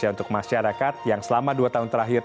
untuk masyarakat yang selama dua tahun terakhir